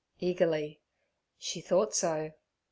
eagerly. She thought so.